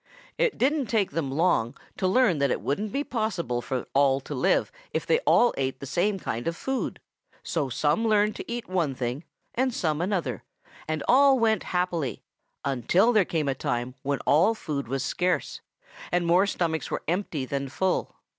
"It didn't take them long to learn that it wouldn't be possible for all to live if they all ate the same kind of food. So some learned to eat one thing and some another, and all went happily until there came a time when all food was scarce, and more stomachs were empty than full.